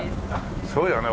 そうよね